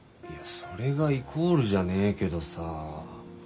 いやそれがイコールじゃねえけどさ。